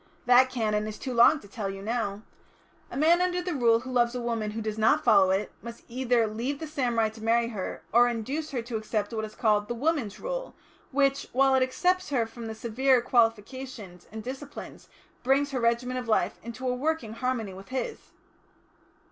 That Canon is too long to tell you now. A man under the Rule who loves a woman who does not follow it, must either leave the samurai to marry her, or induce her to accept what is called the Woman's Rule, which, while it excepts her from the severer qualifications and disciplines, brings her regimen of life into a working harmony with his."